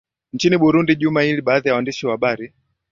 nchini burundi juma hili baadhi ya waandishi wa habari